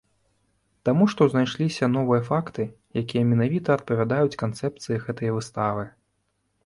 Таму што знайшліся новыя факты, якія менавіта адпавядаюць канцэпцыі гэтай выставы.